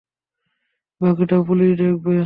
বাকিটা পুলিশ দেখবে।